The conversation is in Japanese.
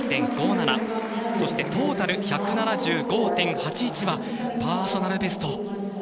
そしてトータル１７５．８１はパーソナルベスト。